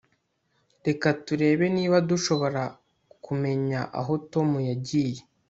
Reka turebe niba dushobora kumenya aho Tom yagiye